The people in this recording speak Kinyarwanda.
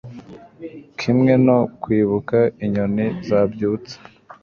kimwe no kwibuka inyoni zabyutse